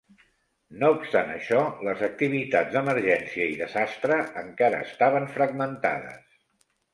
No obstant això, les activitats d'emergència i desastre encara estaven fragmentades.